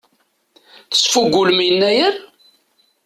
Tesfugulem Yennayer?